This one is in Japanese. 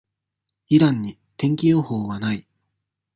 イランに、天気予報は無い。